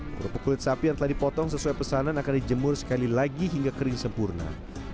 kerupuk kulit sapi yang telah dipotong sesuai pesanan akan dijemur sekali lagi hingga kering sempurna